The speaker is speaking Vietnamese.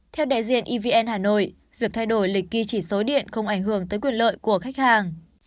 theo đại diện evn hà nội việc thay đổi lịch ghi chỉ số điện không ảnh hưởng tới quyền lợi của khách hàng